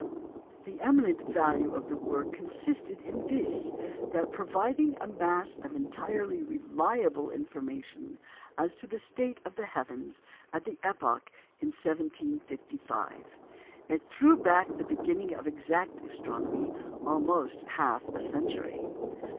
The eminent value of the work consisted in this, that by providing a mass of entirely reliable information as to the state of the heavens at the epoch 1755, it threw back the beginning of exact astronomy almost half a century.